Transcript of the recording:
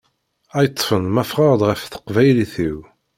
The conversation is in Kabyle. Ay-ṭfen ma fɣeɣ-d ɣef teqbaylit-iw.